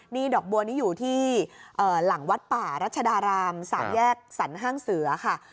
นี่ดอกบัวนี้อยู่ที่หลังวัดป่ารัชดาราม๓แยกสรรห้างเสือค่ะ